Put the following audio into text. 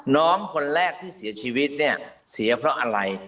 น้องคนแรกที่เสียชีวิตเนี่ยเสียเพราะอะไร